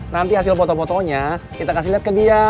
nanti hasil foto fotonya kita kasih lihat ke dia